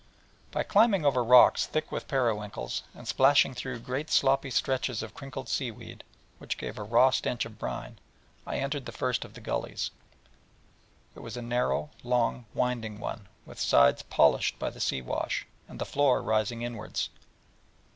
By climbing over rocks thick with periwinkles, and splashing through great sloppy stretches of crinkled sea weed, which give a raw stench of brine, I entered the first of the gullies: a narrow, long, winding one, with sides polished by the sea wash, and the floor rising inwards.